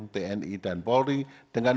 tni dan polri dengan